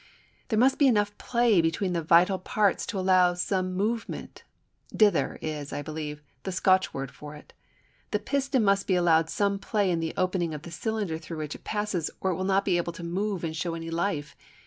There must be enough play between the vital parts to allow of some movement; "dither" is, I believe, the Scotch word for it. The piston must be allowed some play in the opening of the cylinder through which it passes, or it will not be able to move and show any life.